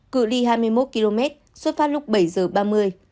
cửa ly hai mươi một km xuất phát lúc bảy giờ ba mươi